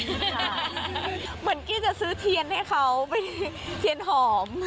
เหมือนกี้จะซื้อเทียนให้เขาไปเทียนหอม